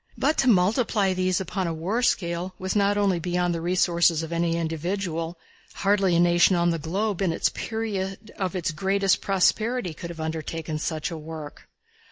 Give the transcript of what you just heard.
But to multiply these upon a war scale was not only beyond the resources of any individual hardly a nation on the globe in the period of its greatest prosperity could have undertaken such a work.